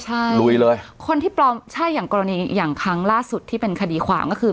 ใช่ลุยเลยคนที่ปลอมใช่อย่างกรณีอย่างครั้งล่าสุดที่เป็นคดีความก็คือ